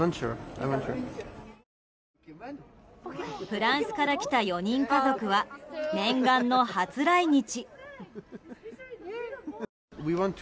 フランスから来た４人家族は念願の初来日。